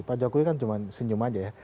pak jokowi kan cuma senyum aja ya